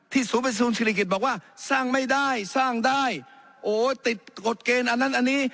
ศูนย์ประชุมศิริกิจบอกว่าสร้างไม่ได้สร้างได้โอ้ติดกฎเกณฑ์อันนั้นอันนี้